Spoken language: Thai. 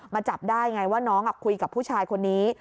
จับได้ไงว่าน้องคุยกับผู้ชายคนนี้